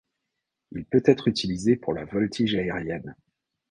Il peut être utilisé pour la voltige aérienne.